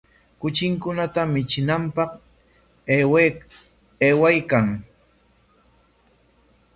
Kuchinkunata michinanpaq aywaykan.